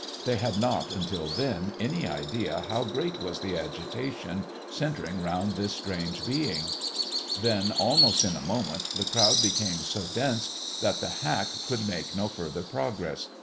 They had not, until then, any idea how great was the agitation centring around this strange being. Then, almost in a moment, the crowd became so dense that the hack could make no further progress.